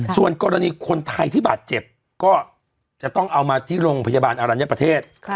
ส่วนกรณีคนไทยที่บาดเจ็บก็จะต้องเอามาที่โรงพยาบาลอรัญญประเทศ